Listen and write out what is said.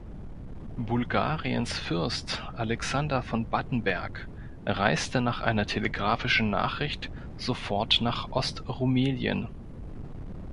Bulgariens Fürst Alexander von Battenberg reiste nach einer telegrafischen Nachricht sofort nach Ostrumelien.